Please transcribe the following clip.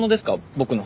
僕の。